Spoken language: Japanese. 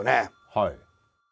はい。